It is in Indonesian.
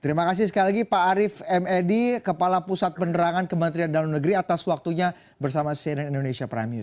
terima kasih sekali lagi pak arief m edi kepala pusat penerangan kementerian dalam negeri atas waktunya bersama cnn indonesia prime news